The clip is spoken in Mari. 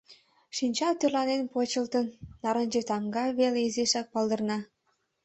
Шинча тӧрланен почылтын, нарынче тамга веле изишак палдырна.